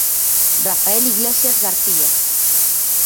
Rafael Iglesias García.